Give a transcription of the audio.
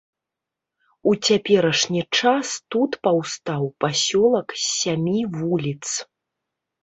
У цяперашні час тут паўстаў пасёлак з сямі вуліц.